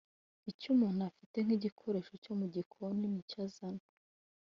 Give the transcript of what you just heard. Icyo umuntu afite nk’igikoresho cyo mu gikoni nicyo azana